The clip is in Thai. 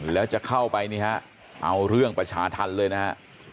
แล้วจะเข้าไปนี่ฮะเอาเรื่องประชาธรรมเลยนะฮะ